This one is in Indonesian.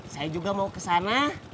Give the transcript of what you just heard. saya juga mau kesana